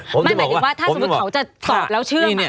หมายถึงว่าถ้าสมมุติเขาจะสอบแล้วเชื่อง